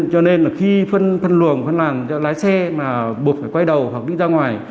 cho nên là khi phân luồng phân làn lái xe mà buộc phải quay đầu hoặc đi ra ngoài